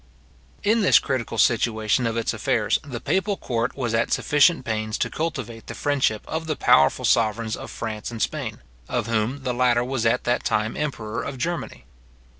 In this critical situation of its affairs the papal court was at sufficient pains to cultivate the friendship of the powerful sovereigns of France and Spain, of whom the latter was at that time emperor of Germany.